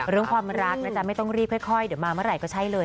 เรื่องความรักนะจ๊ะไม่ต้องรีบค่อยเดี๋ยวมาเมื่อไหร่ก็ใช่เลย